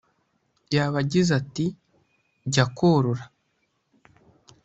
yaba agize ati: jya kurora